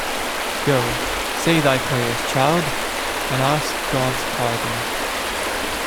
Go, say thy prayers, child, and ask God’s pardon.